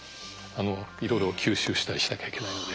いろいろ吸収したりしなきゃいけないので。